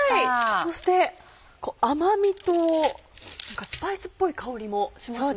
そして甘みとスパイスっぽい香りもしますね。